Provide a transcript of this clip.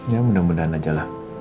ya mudah mudahan aja lah